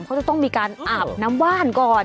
เขาจะต้องมีการอาบน้ำว่านก่อน